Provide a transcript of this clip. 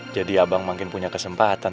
jadi abang makin punya kesempatan